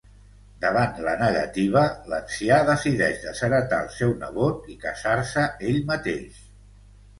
Davant la negativa, l'ancià decideix desheretar al seu nebot i casar-se ell mateix.